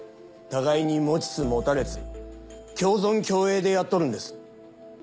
互いに持ちつ持たれつ共存共栄でやっとるんです。